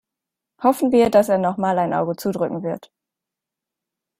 Hoffen wir, dass er noch mal ein Auge zudrücken wird.